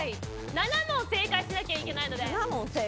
７問正解しなきゃいけないので。